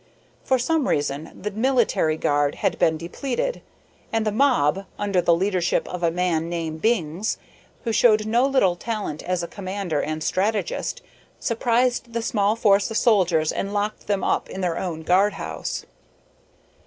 For some reason the military guard had been depleted, and the mob, under the leadership of a man named Bings, who showed no little talent as a commander and strategist, surprised the small force of soldiers and locked them up in their own guard house.